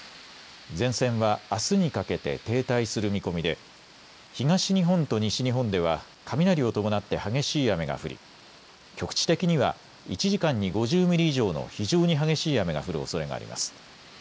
前線はあすにかけて停滞する見込みで東日本と西日本では雷を伴って激しい雨が降り局地的には１時間に５０ミリ以上の非常に激しい雨が降るおそれがあります。